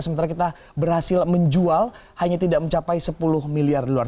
sementara kita berhasil menjual hanya tidak mencapai sepuluh miliar dolar